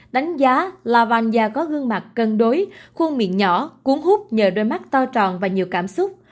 đánh giá lanja có gương mặt cân đối khuôn miệng nhỏ cuốn hút nhờ đôi mắt to tròn và nhiều cảm xúc